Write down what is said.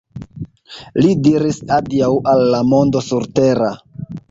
Li diris adiaŭ al la mondo surtera.